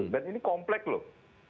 dan ini komplek loh